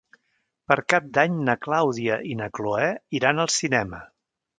Per Cap d'Any na Clàudia i na Cloè iran al cinema.